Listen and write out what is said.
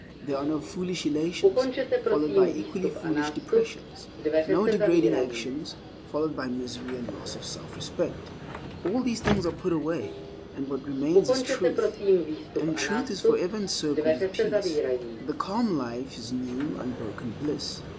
There are no foolish elations followed by equally foolish depressions; no degrading actions followed by misery and loss of selfrespect. All these things are put away, and what remains is Truth, and Truth is forever encircled with peace. The calm life is new unbroken bliss.